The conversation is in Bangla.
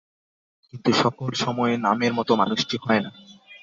কিন্তু সকল সময়ে নামের মতো মানুষটি হয় না।